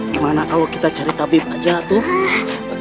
gimana kalau kita cari tabib aja tuh